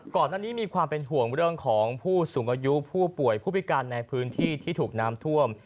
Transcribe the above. ก่อนหน้านี้มีความเป็นห่วงเรื่องของผู้สูงอายุผู้ป่วยผู้พิการในพื้นที่ที่ถูกน้ำท่วม